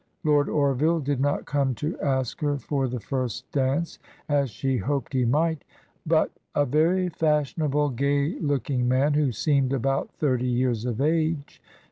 Lord Orville did not come to ask her for the first dance, as she hoped he might; but "a very fashionable, gay looking man, who seemed about thirty years of age